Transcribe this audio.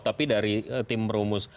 tapi dari tim rumus